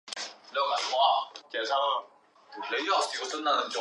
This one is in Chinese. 喀喇沁亲王府始建于清康熙十八年按亲王府规格扩建。